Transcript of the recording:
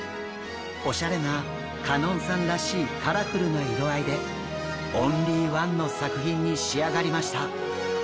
おしゃれな香音さんらしいカラフルな色合いでオンリーワンの作品に仕上がりました。